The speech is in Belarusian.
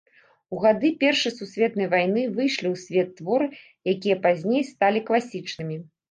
У гады першай сусветнай вайны выйшлі ў свет творы, якія пазней сталі класічнымі.